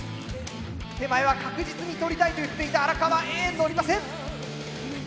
手前は確実に取りたいと言っていた荒川Ａのりません！